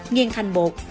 nghiên thành bột